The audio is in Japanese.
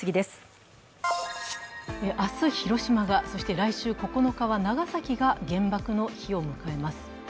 明日、広島が、そして来週９日、長崎が原爆の日を迎えます。